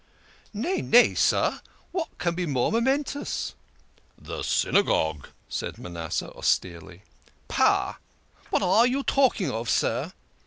" Nay, nay, sir, what can be more momentous ?"" The Synagogue !" said Manasseh austerely. "Pah! What are you talking of, sir?"